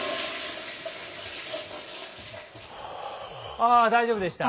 あ大丈夫でした？